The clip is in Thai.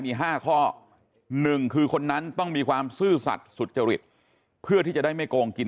มี๕ข้อ๑คือคนนั้นต้องมีความซื่อสัตว์สุจริตเพื่อที่จะได้ไม่โกงกิน